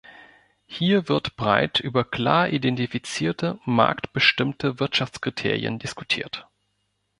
Hier wird breit über klar identifizierte marktbestimmte Wirtschaftskriterien diskutiert.